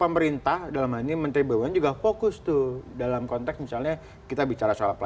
pemerintah dalam hal ini menteri bumn juga fokus tuh dalam konteks misalnya kita bicara soal